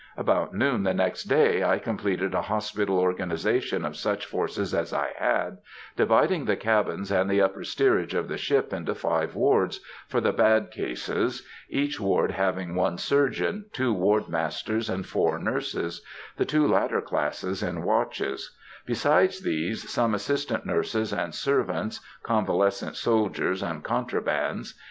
About noon the next day I completed a hospital organization of such forces as I had, dividing the cabins and the upper steerage of the ship into five wards, for the bad cases, each ward having one surgeon, two ward masters, and four nurses,—the two latter classes in watches; besides these, some assistant nurses and servants, convalescent soldiers, and contrabands.